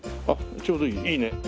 あっちょうどいい。いいね。